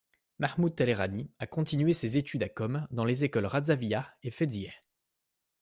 Mahmoud Taleghani a continué ses études à Qom dans les écoles Razaviyah et Feyziyeh.